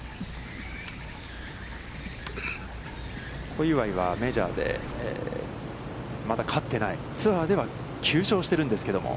小祝はメジャーで、まだ勝ってない、ツアーでは、９勝してるんですけれども。